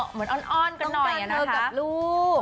เหมือนอ้อนกันหน่อยนะคะต้องการเจอกับลูก